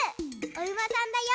おうまさんだよ！